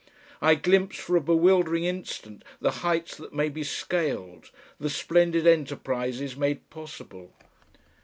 I glimpse for a bewildering instant the heights that may be scaled, the splendid enterprises made possible.